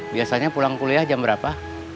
biasanya pulang kuliah jam berapa